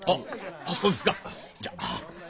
あっそうですかじゃ。